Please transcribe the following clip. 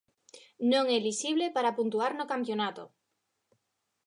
Non elixible para puntuar no campionato